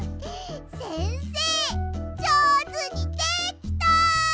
せんせいじょうずにできた！